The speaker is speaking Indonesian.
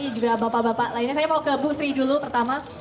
juga bapak bapak lainnya saya mau ke bu sri dulu pertama